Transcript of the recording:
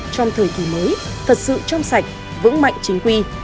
trong thời kỳ mới thật sự trong sạch vững mạnh chính quy